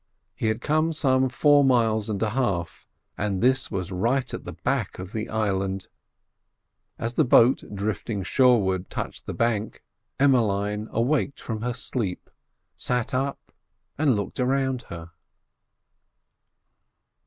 He had come some four miles and a half, and this was right at the back of the island. As the boat drifting shoreward touched the bank, Emmeline awakened from her sleep, sat up, and looked around her.